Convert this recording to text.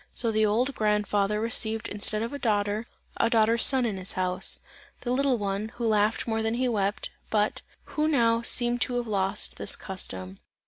So the old grandfather received instead of a daughter, a daughter's son in his house; the little one, who laughed more than he wept, but, who now, seemed to have lost this custom.